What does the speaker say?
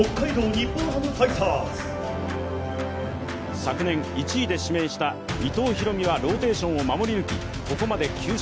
昨年、１位で指名した伊藤大海はローテーションを守り抜きここまで９勝。